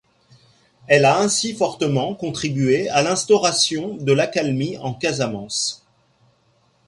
Elle a ainsi fortement contribue à l’instauration de l’accalmie en Casamance.